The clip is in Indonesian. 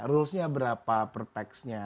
rulesnya berapa perpexnya